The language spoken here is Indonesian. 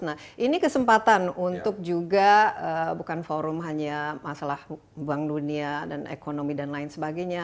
nah ini kesempatan untuk juga bukan forum hanya masalah bank dunia dan ekonomi dan lain sebagainya